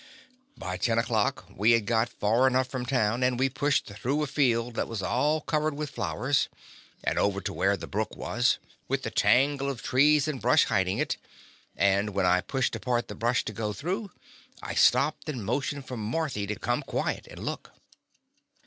By ten o'clock we had got far enough from town, and we pushed through a field that was all covered with flowers, and over to where the brook was, with the tangle of trees and brush hiding it, and when I pushed apart the brush to go through, I stopped and motioned for Marthy to come quiet and look.